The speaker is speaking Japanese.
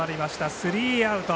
スリーアウト。